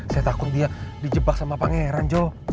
saya takut dia dijebak sama pangeran jo